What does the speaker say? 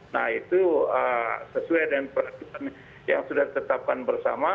nah itu sesuai dengan peraturan yang sudah ditetapkan bersama